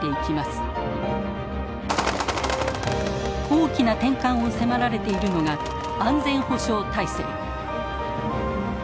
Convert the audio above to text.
大きな転換を迫られているのが安全保障体制。